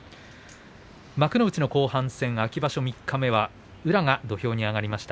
幕内の後半戦、秋場所三日目は宇良が土俵に上がりました。